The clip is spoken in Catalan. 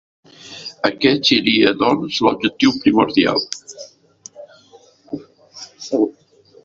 Aquest seria doncs l'objectiu primordial.